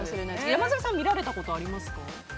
山添さんは見られたことありますか？